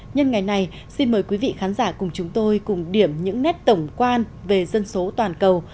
nhân ngày này xin mời quý vị khán giả cùng chúng tôi cùng điểm những nét tổng quan về dân số toàn cầu